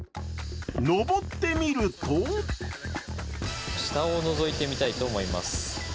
上ってみると下をのぞいてみたいと思います。